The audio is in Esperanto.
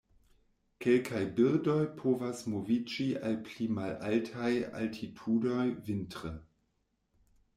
Kelkaj birdoj povas moviĝi al pli malaltaj altitudoj vintre.